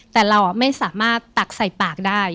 แต่เราไม่สามารถตักใส่ปากได้